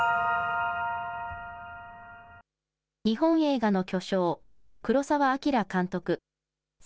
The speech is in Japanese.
日本映画の巨匠、黒澤明監督。